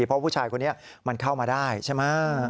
เพราะผู้ชายคนนี้มันเข้ามาได้ใช่ไหม